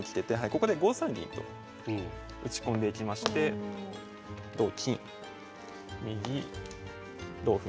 ここで５三銀と打ち込んでいきまして同金右同歩